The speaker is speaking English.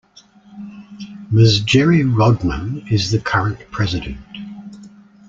Ms. Geri Rodman is the current president.